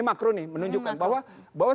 makro nih menunjukkan bahwa